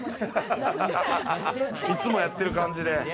いつもやってる感じで。